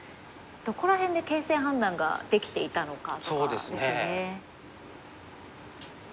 どこら辺で形勢判断ができていたのかとかですね。